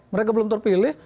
mereka belum terpilih